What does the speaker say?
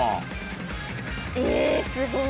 えっすごい！